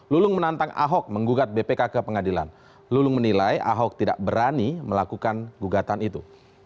lulung menantang ahok menggugat bpk ke pengadilan lulung menilai ahok tidak berani melakukan gugatan itu